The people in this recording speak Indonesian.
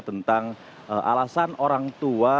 tentang alasan orang tua